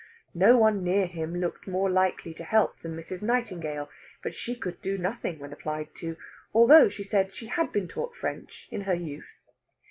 No one near him looked more likely to help than Mrs. Nightingale, but she could do nothing when applied to; although, she said, she had been taught French in her youth.